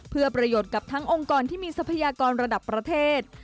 เพื่อประโยชน์กับทั้งองค์กรที่มีทรัพยากรระดับประเทศ